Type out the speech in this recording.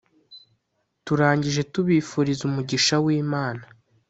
turangije tubifuriza umugisha w’imana